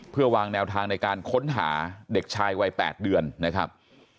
เพื่อวางแนวทางในการค้นหาเด็กชายวัย๘เดือนนะครับ